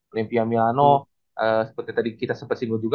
olimpia milano seperti tadi kita sempat singgul juga